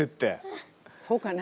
そうかな？